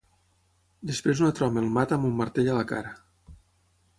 Després un altre home el mata amb un martell a la cara.